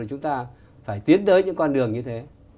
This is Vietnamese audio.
chúng ta phải tiến tới những con đường như thế